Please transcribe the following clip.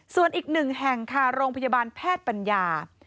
ส่วนอีกหนึ่งแห่งค่ะโรงพยาบาลแพทย์ปัญญา